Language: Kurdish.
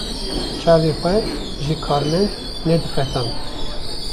Çavê xwe ji karmend nediqetand.